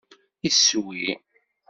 Iswi!